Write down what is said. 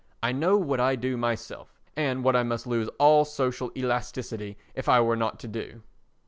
I know what I do myself and what I must lose all social elasticity if I were not to do.